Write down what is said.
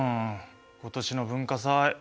今年の文化祭